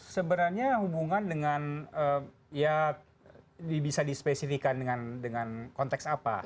sebenarnya hubungan dengan ya bisa dispesifikan dengan konteks apa